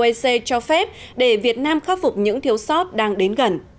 oec cho phép để việt nam khắc phục những thiếu sót đang đến gần